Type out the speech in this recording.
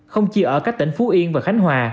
không chỉ ở các tỉnh phú yên và khánh hòa